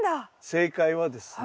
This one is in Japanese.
正解はですね